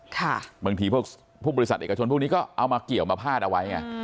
บางทีพวกบริษัทเอกชนพวกนี้ก็เอามาเกี่ยวมาพาดเอาไว้ไง